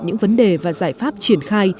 những vấn đề và giải pháp triển khai